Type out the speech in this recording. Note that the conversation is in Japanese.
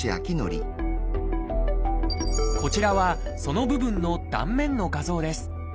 こちらはその部分の断面の画像です。